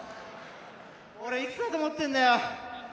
俺、いくつだと思ってんだよ！